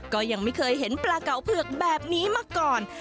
ก็ยังไม่เคยเห็นปลาเก่าเผือกแบบนี้มาก่อน